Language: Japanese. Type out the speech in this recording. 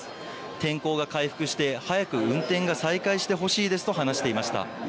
天候が回復して早く運転が再開してほしいですと話していました。